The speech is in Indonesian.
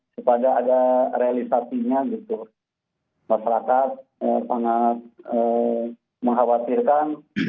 kepada ada realisasinya masyarakat sangat mengkhawatirkan